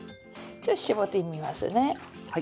ちょっと絞ってみますね。